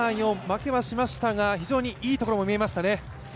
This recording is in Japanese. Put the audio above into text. ２、３、４負けはしましたが、非常にいいところも見えましたね。